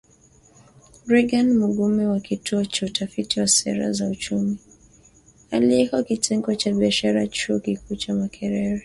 Reagan Mugume wa Kituo cha Utafiti wa Sera za Uchumi, aliyeko Kitengo cha Biashara Chuo Kikuu cha Makerere